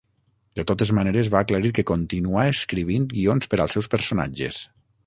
De totes maneres, va aclarir que continuà escrivint guions per als seus personatges.